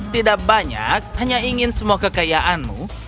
tidak banyak hanya ingin semua kekayaanmu